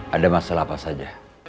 ada masalah apa saja